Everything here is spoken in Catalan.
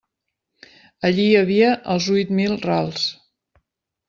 Allí hi havia els huit mil rals.